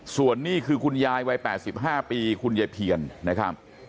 ส่วนนี่คือคุณยายวัย๘๕ปีคุณยายเพียรนะครับ